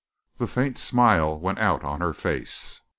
The faint smile went out on her face.